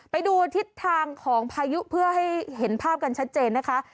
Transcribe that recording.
ไปดูทิศทางของพายุเพื่อให้เห็นภาพกันชัดเจนนะคะ